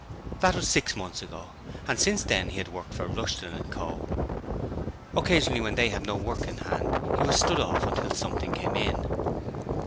That was six months ago, and since then he had worked for Rushton & Co. Occasionally when they had no work in hand, he was 'stood off' until something came in.